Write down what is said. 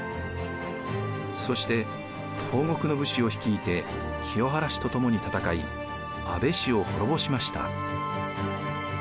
そして東国の武士を率いて清原氏と共に戦い安倍氏を滅ぼしました。